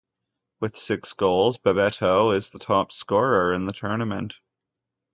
With six goals, Bebeto is the top scorer in the tournament.